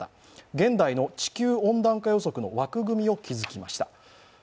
現代の地球温暖化予測の枠組みを築きました。